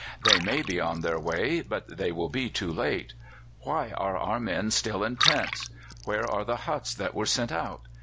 They may be on their way, but they will be too late. Why are our men still in tents? Where are the huts that were sent out?